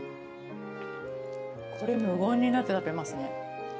これ無言になって食べますね。